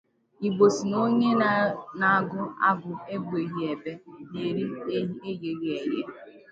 Igbo sị na onye ọ na-agụ ebeghị ebi na-eri n'eghèghị èghè.